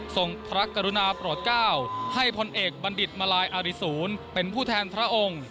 ส่งพระกรุณาโปรดเก้าให้พลเอกบัณฑิตมาลัยอาริสูรเป็นผู้แทนพระองค์